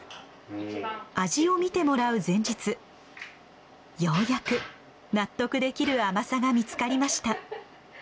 味を見てもらう前日ようやく納得できる甘さが見つかりました。